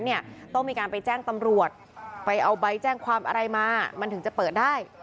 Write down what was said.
เนี่ยต้องมีการไปแจ้งตำรวจไปเอาใบแจ้งความอะไรมามันถึงจะเปิดได้